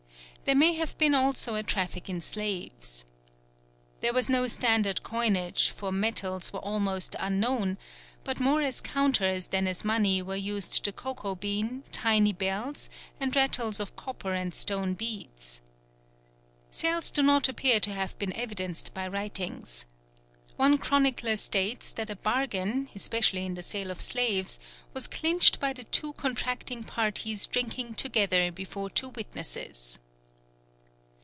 There may have been also a traffic in slaves. There was no standard coinage, for metals were almost unknown; but more as counters than as money were used the cocoa bean, tiny bells, and rattles of copper and stone beads. Sales do not appear to have been evidenced by writings. One chronicler states that a bargain, especially in the sale of slaves, was clinched by the two contracting parties drinking together before two witnesses.